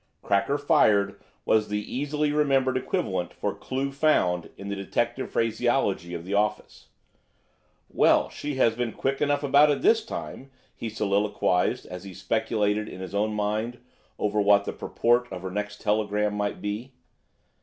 "Cracker fired" was the easily remembered equivalent for "clue found" in the detective phraseology of the office. "Well, she has been quick enough about it this time!" he soliquised as he speculated in his own mind over what the purport of the next telegram might be.